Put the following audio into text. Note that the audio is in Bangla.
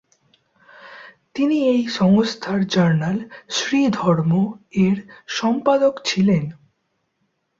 তিনি এই সংস্থার জার্নাল "শ্রী ধর্ম"-এর সম্পাদক ছিলেন।